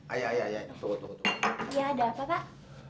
ayah ya ada apa pak